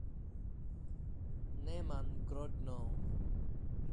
Neman Grodno